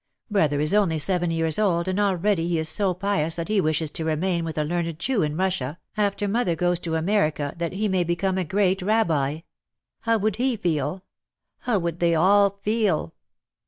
Brother is only seven years old and already he is so pious that he wishes to remain with a learned Jew in Russia, after mother goes to Amer ica, that he may become a great Rabbi. How would he feel? How would they all feel?"